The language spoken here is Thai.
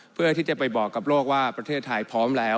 เพื่อที่จะไปบอกกับโลกว่าประเทศไทยพร้อมแล้ว